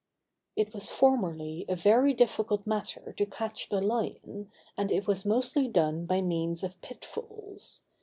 It was formerly a very difficult matter to catch the lion, and it was mostly done by means of pit falls.